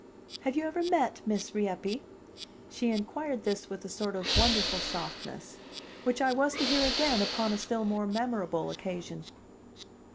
"Have you ever met Miss Rieppe?" She inquired this with a sort of wonderful softness which I was to hear again upon a still more memorable occasion.